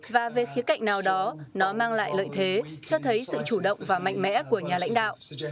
và về khía cạnh nào đó nó mang lại lợi thế cho thấy sự chủ động và mạnh mẽ của nhà lãnh đạo